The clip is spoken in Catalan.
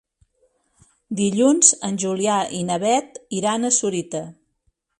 Dilluns en Julià i na Beth iran a Sorita.